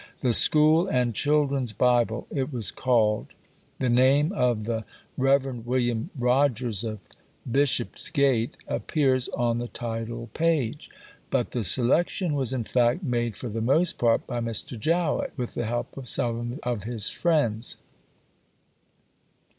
The School and Children's Bible it was called; the name of the Rev. William Rogers, of Bishopsgate, appears on the title page, but the selection was in fact made for the most part by Mr. Jowett, with the help of some of his friends.